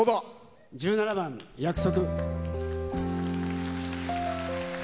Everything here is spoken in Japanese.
１７番「約束」。